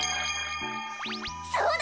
そうだ！